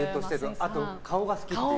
あと顔が好きという。